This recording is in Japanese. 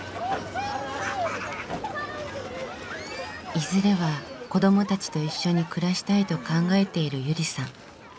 いずれは子どもたちと一緒に暮らしたいと考えているゆりさん。